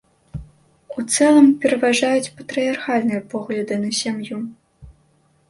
У цэлым пераважаюць патрыярхальныя погляды на сям'ю.